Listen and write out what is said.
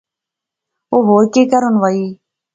او ہور کہہ کرین وہا